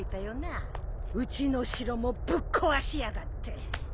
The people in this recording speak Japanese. うちの城もぶっ壊しやがって。